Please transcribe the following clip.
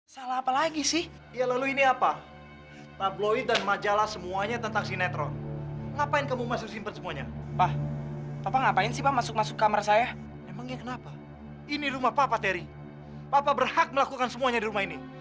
selamat tinggal candy